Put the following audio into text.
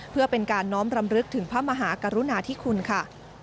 เพื่อเป็นการน้อมรำลึกถึงพระมหากรุณาธิคุณค่ะ